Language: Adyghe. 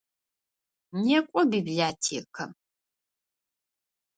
Некӏо библиотекэм!